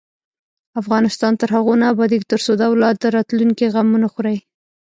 افغانستان تر هغو نه ابادیږي، ترڅو د اولاد د راتلونکي غم ونه خورئ.